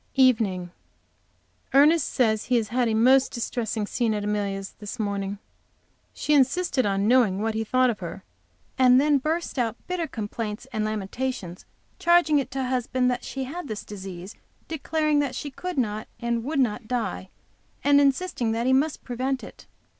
EVENING. Ernest says he had a most distressing scene at Amelia's this morning. She insisted on knowing what he thought of her, and then burst out bitter complaints and lamentations, charging it to husband that she had this disease, declaring that she could not, and would not die, and insisting that he must prevent it.